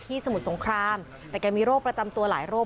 แต่มีโรคประจำตัวหลายโรค